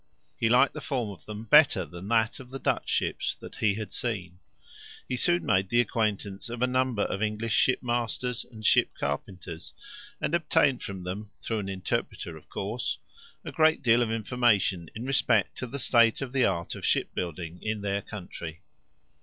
He liked the form of them better than that of the Dutch ships that he had seen. He soon made the acquaintance of a number of English ship masters and ship carpenters, and obtained from them, through an interpreter of course, a great deal of information in respect to the state of the art of ship building in their country.